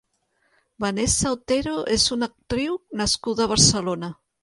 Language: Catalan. Vanessa Otero és una actriu nascuda a Barcelona.